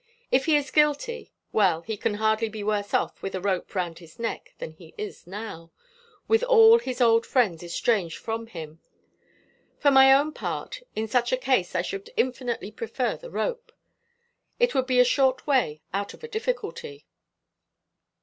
If he is guilty well, he can hardly be worse off with a rope round his neck than he is now, with all his old friends estranged from him. For my own part, in such a case I should infinitely prefer the rope. It would be a short way out of a difficulty."